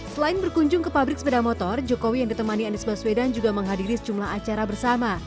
selain berkunjung ke pabrik sepeda motor jokowi yang ditemani anies baswedan juga menghadiri sejumlah acara bersama